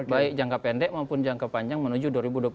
baik jangka pendek maupun jangka panjang menuju dua ribu dua puluh empat